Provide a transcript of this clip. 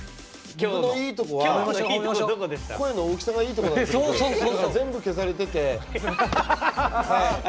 自分のいいところは声の大きさがいいところなんですけど全部、消されてて。